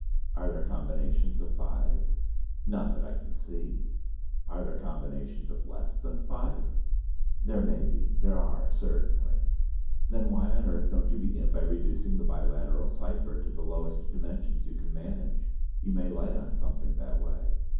"Are there combinations of five?" "Not that I can see." "Are there combinations of less than five?" "There may be. There are certainly." "Then why on earth don't you begin by reducing the biliteral cipher to the lowest dimensions you can manage? You may light on something that way."